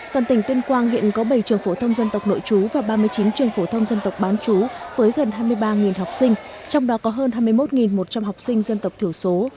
toàn tỉnh tuyên quang hiện có bảy trường phổ thông dân tộc nội chú và ba mươi chín trường phổ thông dân tộc bán chú với gần hai mươi ba học sinh trong đó có hơn hai mươi một một trăm linh học sinh dân tộc thiểu số